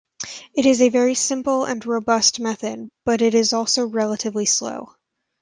It is a very simple and robust method, but it is also relatively slow.